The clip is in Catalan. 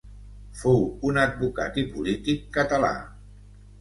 Fou un advocat i polític català.